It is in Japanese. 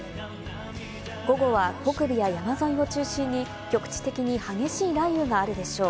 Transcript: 午後は北部や山沿いを中心に局地的に激しい雷雨があるでしょう。